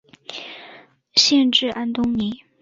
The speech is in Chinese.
县治安东尼。